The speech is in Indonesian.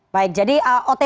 baik jadi otk